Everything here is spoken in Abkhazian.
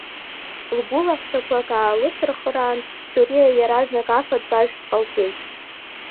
Лгәылаҳәсақәак аалыцырхыраан, Суриа иаразнак афатә-ажәтә ҟалҵеит.